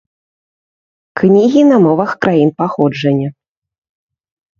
Кнігі на мовах краін паходжання.